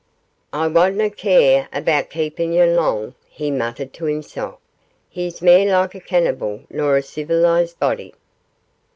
'I wadna care aboot keepin' yon long,' he muttered to himself; 'he's mair like a cannibal nor a ceevalized body.